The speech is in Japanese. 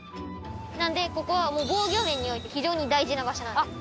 なのでここはもう防御面において非常に大事な場所なんです。